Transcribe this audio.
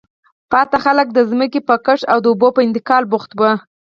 پاتې خلک د ځمکې په کښت او د اوبو په انتقال بوخت وو.